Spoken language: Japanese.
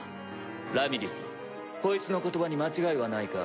ラミリスこいつの言葉に間違いはないか？